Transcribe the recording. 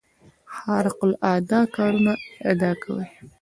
خارق العاده کارونو ادعا کوي.